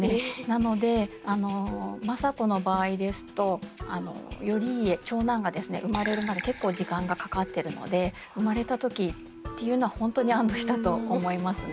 なのであの政子の場合ですと頼家長男がですね生まれるまで結構時間がかかってるので生まれた時っていうのは本当に安どしたと思いますね。